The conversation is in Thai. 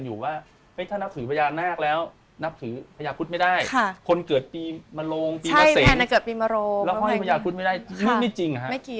ท่านมีหลายปางอยู่ที่พุทธสินที่คนเขาอยากจะแกะ